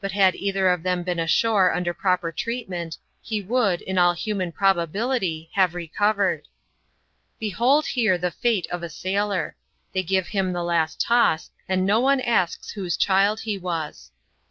[chap, m either of them been ashore under proper treatment, he would, in all human probability, have recovered. Behold here the fate of a sailor ! They give him the last toss, and no one asks whose child he was.